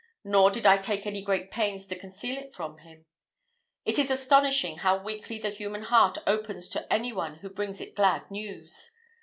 Nor did I take any great pains to conceal it from him. It is astonishing how weakly the human heart opens to any one who brings it glad news.